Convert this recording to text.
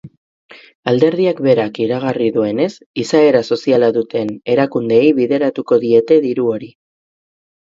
Alderdiak berak iragarri duenez, izaera soziala duten erakundeei bideratuko diete diru hori.